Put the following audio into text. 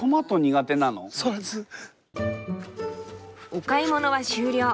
お買い物は終了。